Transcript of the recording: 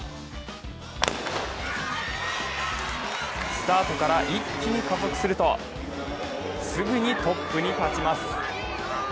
スタートから一気に加速すると、すぐにトップに立ちます。